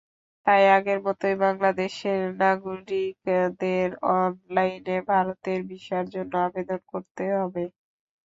তাই আগের মতোই বাংলাদেশের নাগরিকদের অনলাইনে ভারতের ভিসার জন্য আবেদন করতে হবে।